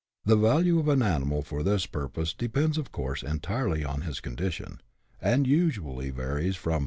The value of an animal for this pur pose depends of course entirely on his condition, and usually varies from 30*.